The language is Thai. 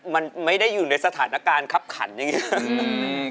มันไม่ได้อยู่ในสถานการณ์คับขันอย่างนี้